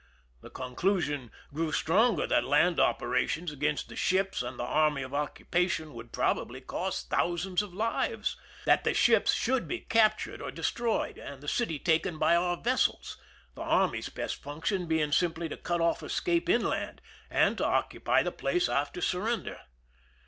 The con clusion grew stronger that land operations against the ships and the army of occupation would prob ably cost thousands of lives ; that the ships should be captured or destroyed and the city taken by our vessels, the army's best function being simply to cut off escape inland and to occupy the place after surrender.